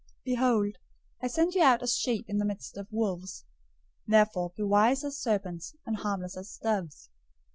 010:016 "Behold, I send you out as sheep in the midst of wolves. Therefore be wise as serpents, and harmless as doves.